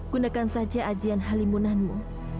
gunakan saja ajian halimunanmu